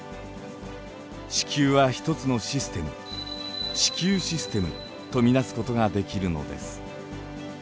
地球は一つのシステム地球システムと見なすことができるのです。